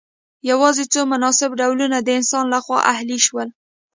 یوازې څو مناسب ډولونه د انسان لخوا اهلي شول.